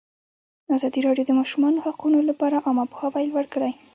ازادي راډیو د د ماشومانو حقونه لپاره عامه پوهاوي لوړ کړی.